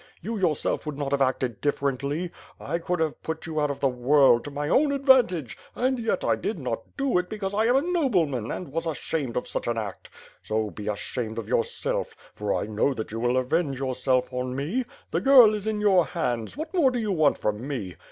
You yourself would not have acted differently. I could have put you out of the world, to my own advantage — and yet I did not do it because I am a noble man and was ashamed of such an act. So be ashamed of yourself, for I know iihat you will avenge yourself on me. The girl is in your hands; what more do you want from me?